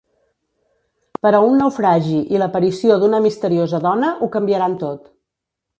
Però un naufragi i l’aparició d’una misteriosa dona ho canviaran tot.